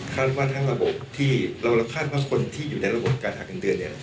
ว่าทั้งระบบที่เราคาดว่าคนที่อยู่ในระบบการหาเงินเดือนเนี่ย